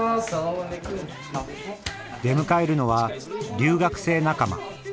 出迎えるのは留学生仲間。